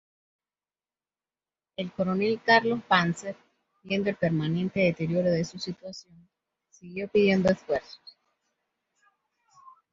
El coronel Carlos Banzer, viendo el permanente deterioro de su situación, siguió pidiendo refuerzos.